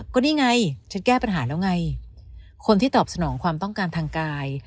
ก็นี่ไงฉันแก้ปัญหาแล้วไงคนที่ตอบสนองความต้องการทางกาย